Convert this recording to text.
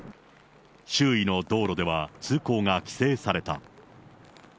周囲の道路では通行が規制された。